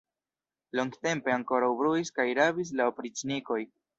Longtempe ankoraŭ bruis kaj rabis la opriĉnikoj.